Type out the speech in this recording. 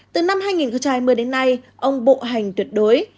từ năm hai nghìn hai mươi đến nay ông bộ hành tuyệt đối